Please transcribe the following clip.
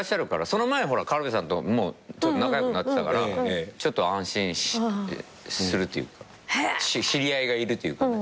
その前ほら軽部さんともう仲良くなってたからちょっと安心するというか知り合いがいるというかね。